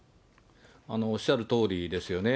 おっしゃるとおりですよね。